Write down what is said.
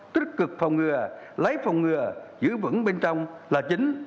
tích cực phòng ngừa lấy phòng ngừa giữ vững bên trong là chính